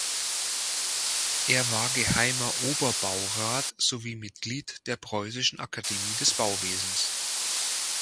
Er war Geheimer Oberbaurat sowie Mitglied der Preußischen Akademie des Bauwesens.